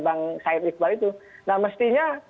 bang said iqbal itu nah mestinya